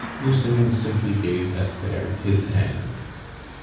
Nucingen simply gave Esther his hand.